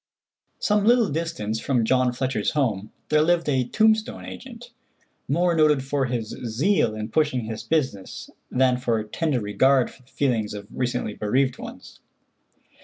Some little distance from John Fletcher's home there lived a tombstone agent, more noted for his zeal in pushing his business than for tender regard for the feelings of recently bereaved ones.